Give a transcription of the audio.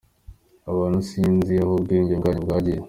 Abantu sinzi aho ubwenge bwanyu bwagiye.